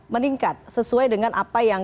meningkat sesuai dengan apa yang